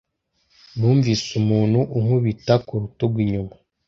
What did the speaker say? Numvise umuntu unkubita ku rutugu inyuma.